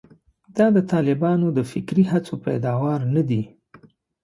دا د طالبانو د فکري هڅو پیداوار نه دي.